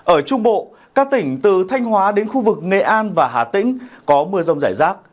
ở trung bộ các tỉnh từ thanh hóa đến khu vực nghệ an và hà tĩnh có mưa rông rải rác